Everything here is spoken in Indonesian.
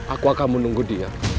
aku akan menunggu dia